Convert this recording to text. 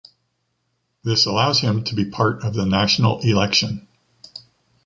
This allows him to be part of the national election.